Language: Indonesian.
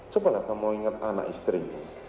cobalah kamu ingat anak istri